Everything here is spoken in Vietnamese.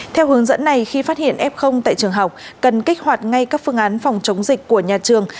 theo hướng dẫn này khi phát hiện f tại trường học cần kích hoạt ngay các phương án phòng chống dịch của nhà trường